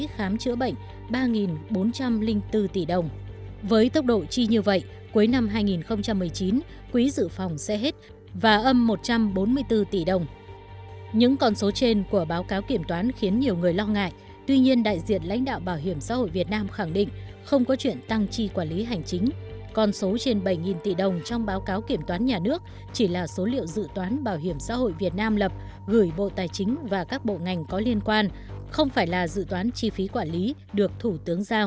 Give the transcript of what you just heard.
không có chuyện tăng chi quản lý hành chính còn số trên bảy tỷ đồng trong báo cáo kiểm toán nhà nước chỉ là số liệu dự toán bảo hiểm xã hội việt nam lập gửi bộ tài chính và các bộ ngành có liên quan không phải là dự toán chi phí quản lý được thủ tướng giao